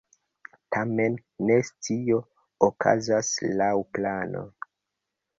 Tamen ne ĉio okazas laŭ plano.